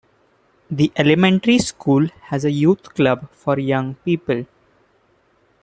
The elementary school has a youth club for young people.